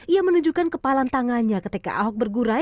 ia menunjukkan kepalan tangannya ketika ahok bergurai